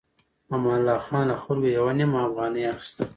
امان الله خان له خلکو يوه نيمه افغانۍ اخيسته.